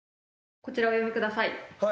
こちらお読みください。